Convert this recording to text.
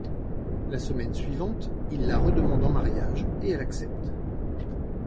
La semaine suivante, il la redemande en mariage et elle accepte.